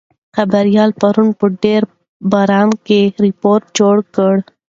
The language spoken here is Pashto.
خبریال پرون په ډېر باران کې راپور جوړ کړ.